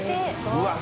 うわっ！